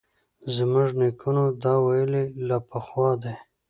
زموږ نیکونو دا ویلي له پخوا دي